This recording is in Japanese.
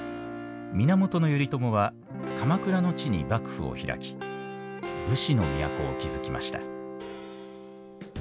源頼朝は鎌倉の地に幕府を開き武士の都を築きました。